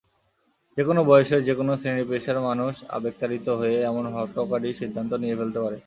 যেকোনো বয়সের, যেকোনো শ্রেণি-পেশার মানুষ আবেগতাড়িত হয়ে এমন হঠকারী সিদ্ধান্ত নিয়ে ফেলতে পারে।